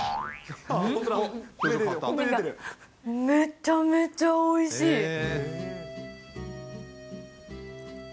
めちゃめちゃおいしい！